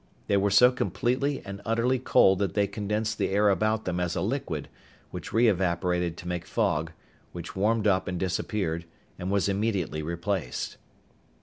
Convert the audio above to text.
They were so completely and utterly cold that they condensed the air about them as a liquid, which re evaporated to make fog, which warmed up and disappeared and was immediately replaced.